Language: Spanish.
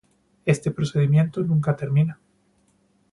Este procedimiento nunca termina.